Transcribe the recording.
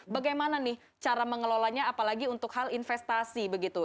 bagaimana nih cara mengelolanya apalagi untuk hal investasi begitu